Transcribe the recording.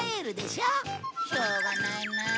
しょうがないなあ。